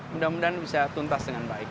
mudah mudahan bisa tuntas dengan baik